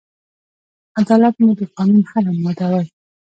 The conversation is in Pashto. عدالت مو د قانون هره ماده وای